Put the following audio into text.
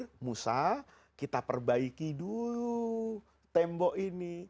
kita musa kita perbaiki dulu tembok ini